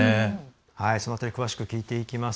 その辺り詳しく聞いていきます。